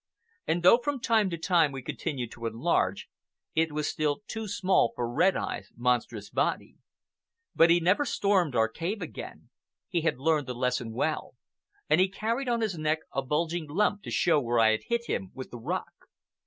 And though from time to time we continued to enlarge, it was still too small for Red Eye's monstrous body. But he never stormed our cave again. He had learned the lesson well, and he carried on his neck a bulging lump to show where I had hit him with the rock.